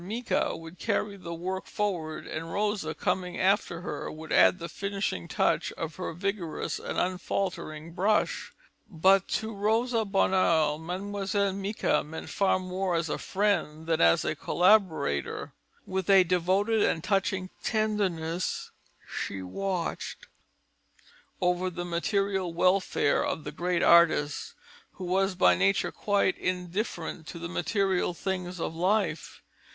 Micas would carry the work forward, and Rosa, coming after her, would add the finishing touch of her vigorous and unfaltering brush. But to Rosa Bonheur Mlle. Micas meant far more as a friend than as a collaborator. With a devoted and touching tenderness she watched over the material welfare of the great artist, who was by nature quite indifferent to the material things of life.